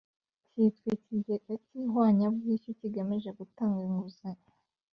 cyitwa Ikigega cy ihwanyabwishyu kigamije gutanga inguzanyo